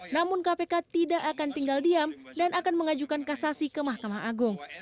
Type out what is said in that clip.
namun kpk tidak akan tinggal diam dan akan mengajukan kasasi ke mahkamah agung